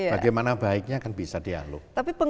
bagaimana baiknya kan bisa dialog